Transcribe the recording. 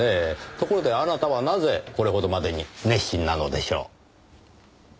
ところであなたはなぜこれほどまでに熱心なのでしょう？